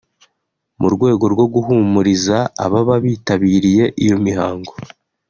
mu rwego rwo guhumuriza ababa bitabiriye iyo mihango